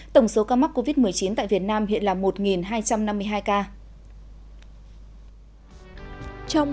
tổng số ca mắc covid một mươi chín tại việt nam hiện là một hai trăm năm mươi hai ca